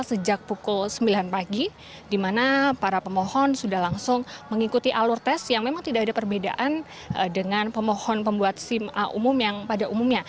sejak pukul sembilan pagi di mana para pemohon sudah langsung mengikuti alur tes yang memang tidak ada perbedaan dengan pemohon pembuat sim a umum yang pada umumnya